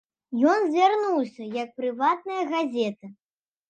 Ён звярнуўся як прыватная газета.